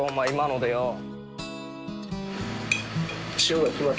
今のでよ。